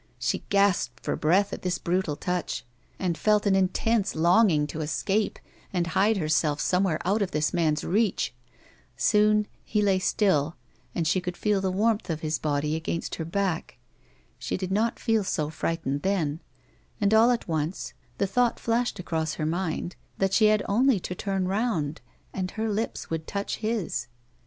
She gasped for breath at this brutal touch, and felt an intense longing to escape and hide herself somewhere out of this man's reach. Soon he lay still, and she could feel the warmth of his body against her back. She did not feel so frightened then, and all at once the thought flashed across her mind that she had only to turn round and her lips would touch his.